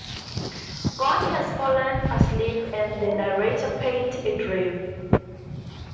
God has fallen asleep and the narrator paints a dream.